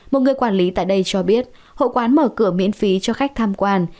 một người quản lý tại đây cho biết hội quán mở cửa miễn phí cho khách tham quan